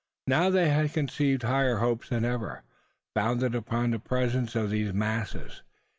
Now they had conceived higher hopes than ever founded upon the presence of these masses.